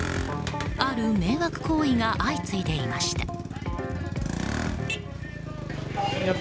ある迷惑行為が相次いでいました。